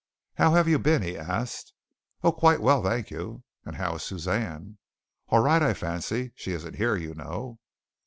"How have you been?" he asked. "Oh, quite well, thank you!" "And how is Suzanne?" "All right, I fancy. She isn't here, you know."